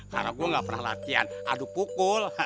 karena gue gak pernah latihan aduk pukul